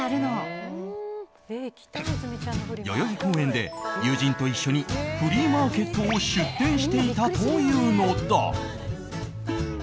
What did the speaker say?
代々木公園で友人と一緒にフリーマーケットを出店していたというのだ。